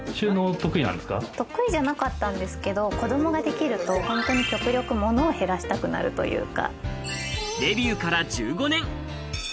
得意じゃなかったんですけど子どもができるとホントに極力物を減らしたくなるというか。